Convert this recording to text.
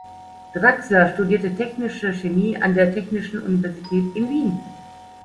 Draxler studierte technische Chemie an der technischen Universität in Wien.